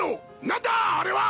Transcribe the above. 何だあれは！？